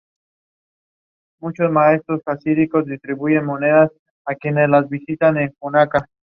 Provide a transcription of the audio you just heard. Siendo omnívoro, el ayu se alimenta de algas, crustáceos, insectos, esponjas y gusanos.